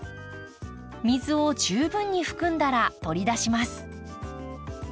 水を十分に含んだら取り出します。